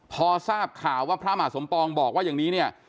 พอทราบข่าวว่าพระมหาสมปองบอกว่าอย่างนี้เนี่ย